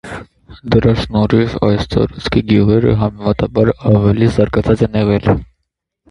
Դրա շնորհիվ այս տարածքի գյուղերը համեմատաբար ավելի զարգացած են եղել։